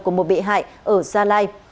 của một bị hại ở gia lai